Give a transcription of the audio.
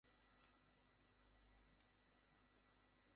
সলিমুল্লাহ মুসলিম হলের মাইকে সারা দিন অনেকবার করে এটা পড়া হতো।